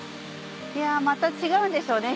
また違うんでしょうね